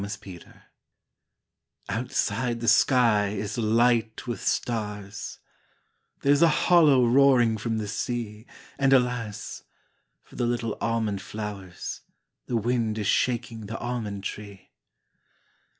CAMOMILE TEA Outside the sky is light with stars; There's a hollow roaring from the sea. And, alas! for the little almond flowers, The wind is shaking the almond tree.